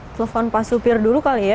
telepon pak supir dulu kali ya